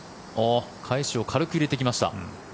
返しを軽く入れてきました。